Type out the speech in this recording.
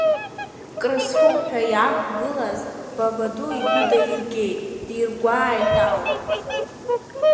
Крысфом ҳәа иаақәгылаз, бабаду игәы даиргеит, диргәааит ауп.